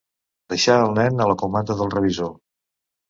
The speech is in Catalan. Deixà el nen a la comanda del revisor.